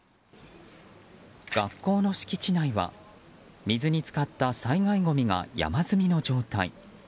学校の敷地内は、水に浸かった災害ごみが山積みの状態。